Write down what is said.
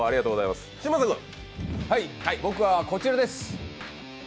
僕はこちらです。